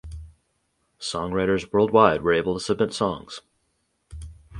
Songwriters worldwide were able to submit songs.